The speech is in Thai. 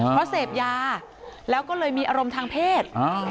เพราะเสพยาแล้วก็เลยมีอารมณ์ทางเพศ